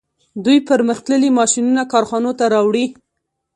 دوی پرمختللي ماشینونه کارخانو ته راوړي